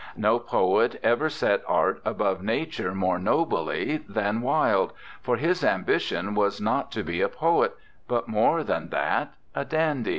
No poet ever set art above nature more nobly than Wilde, for his ambition was not to be a poet, but more than that: a dandy.